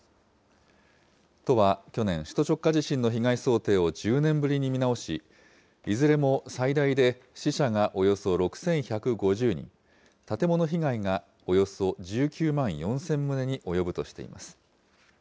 都は去年、首都直下地震の被害想定を１０年ぶりに見直し、いずれも最大で死者がおよそ６１５０人、建物被害がおよそ１９万４０００棟に及ぶとしています。